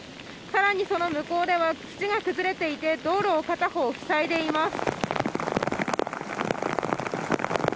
更にその向こうでは土が崩れていて道路を片方塞いでいます。